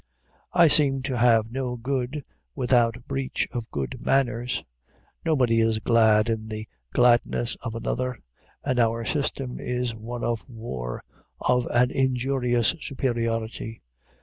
I seem to have no good, without breach of good manners. Nobody is glad in the gladness of another, and our system is one of war, of an injurious superiority.